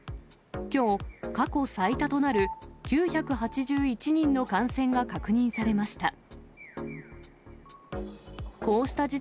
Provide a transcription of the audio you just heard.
きょう、過去最多となる９８１人の感染が確認されました。